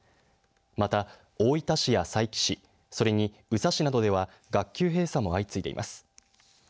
また、大分市や佐伯市それに宇佐市などでは学級閉鎖も相次いでいます。